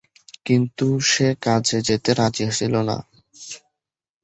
কিন্তু সে কাজে যেতে রাজি ছিলনা।